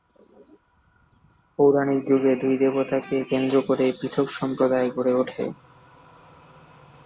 পৌরাণিক যুগে দুই দেবতাকে কেন্দ্র করেই পৃথক সম্প্রদায় গড়ে ওঠে।